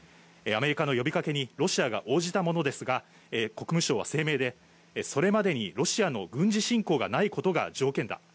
アメリカの呼びかけにロシアが応じたものですが、国務省は声明で、それまでにロシアの軍事侵攻がないことが条件だ。